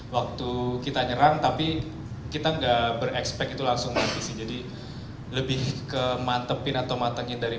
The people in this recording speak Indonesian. waktu kita nyerang tapi kita enggak berekspek itu langsung mati sih jadi lebih ke mantepin atau matengin dari